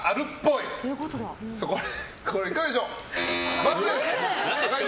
これ、いかがでしょう？×です。